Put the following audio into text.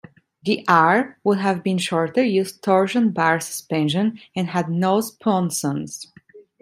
The 'R' would have been shorter, used torsion bar suspension and had no sponsons.